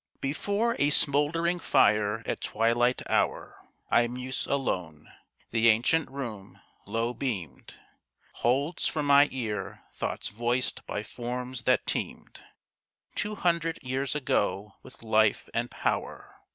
] Before a smouldering fire at twilight hour I muse alone. The ancient room, low beamed, Holds for my ear thoughts voiced by forms that teemed Two hundred years ago with life and power.